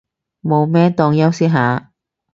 冇咩，當休息下